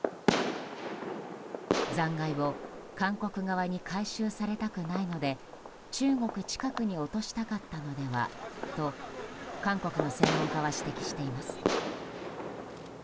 残骸を韓国側に回収されたくないので中国近くに落としたかったのではと韓国の専門家は指摘しています。